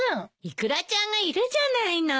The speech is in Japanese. イクラちゃんがいるじゃないの。